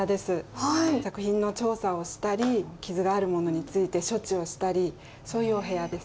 作品の調査をしたり傷があるものについて処置をしたりそういうお部屋です。